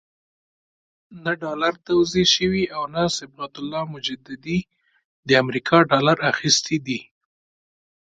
نه ډالر توزیع شوي او نه صبغت الله مجددي د امریکا ډالر اخیستي دي.